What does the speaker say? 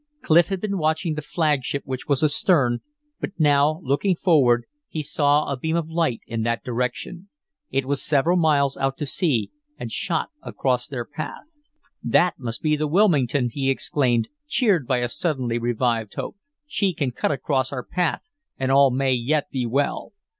Clif had been watching the flagship which was astern, but now, looking forward, he saw a beam of light in that direction. It was several miles out to sea, and shot across their path. "That must be the Wilmington," he exclaimed, cheered by a suddenly revived hope. "She can cut across our path, and all may yet be well."